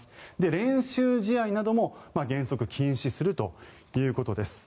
練習試合なども原則禁止するということです。